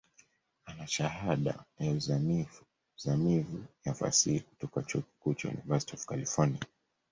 Ana Shahada ya uzamivu ya Fasihi kutoka chuo kikuu cha University of California.